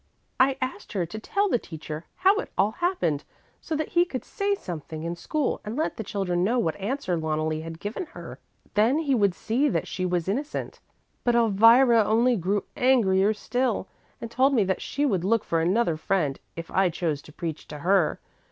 I asked to tell the teacher how it all happened, so that he could say something in school and let the children know what answer Loneli had given her. Then he would see that she was innocent. But Elvira only grew angrier still and told me that she would look for another friend, if I chose to preach to her.